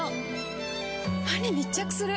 歯に密着する！